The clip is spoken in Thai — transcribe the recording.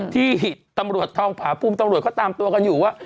ที่ตำรวจทองผาภูมิตำรวจเขาตามตัวกันอยู่ว่า